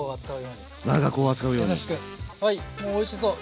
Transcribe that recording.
もうおいしそう。